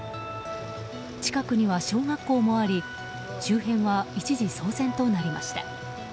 近くには小学校もあり周辺は一時騒然となりました。